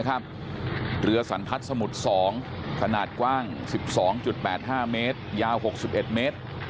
เรือสันทัศน์สมุทร๒ขนาดกว้าง๑๒๘๕เมตรยาว๖๑เมตร